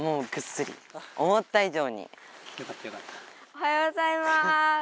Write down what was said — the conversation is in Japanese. おはようございます。